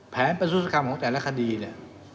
แผนประสุทธิ์คำของแต่ละคดีที่ผ่านมา